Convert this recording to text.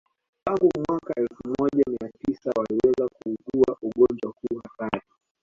Tangu mwaka elfu moja Mia tisa waliweza kuugua ugonjwa huu hatari